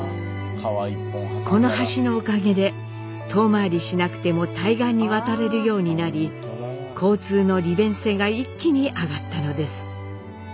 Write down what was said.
この橋のおかげで遠回りしなくても対岸に渡れるようになり交通の利便性が一気に上がったのです。